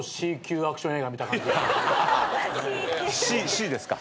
Ｃですか。